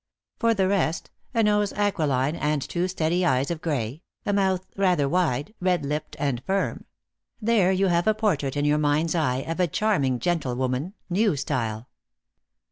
For the rest, a nose aquiline and two steady eyes of gray, a mouth rather wide, red lipped and firm; there you have a portrait in your mind's eye of a charming gentlewoman new style.